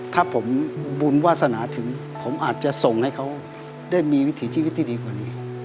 ถ้าผมบุญวาสนาถึงผมอาจจะส่งให้เขาได้มีวิถีชีวิตที่ดีกว่านี้